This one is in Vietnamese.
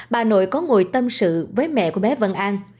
bà nội có ngồi tâm sự với mẹ của bé vân an